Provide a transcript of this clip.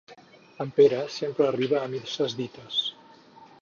En Pere sempre arriba a misses dites.